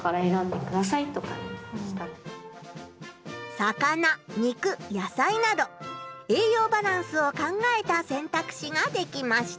魚肉野菜などえいようバランスを考えた選択肢ができました。